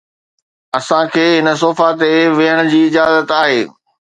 اسان کي هن صوف تي ويهڻ جي اجازت آهي